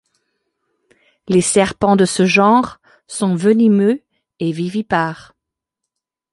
Les serpents de ce genre sont venimeux et vivipares.